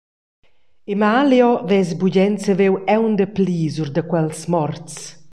Emalio vess bugen saviu aunc dapli sur da quels morts.